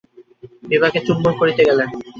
বিভাকে চুম্বন করিতে গেলেন।